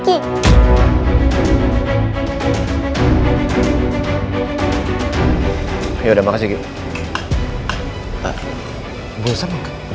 iya iya yakin mas kan tadi ibu pamitkan rok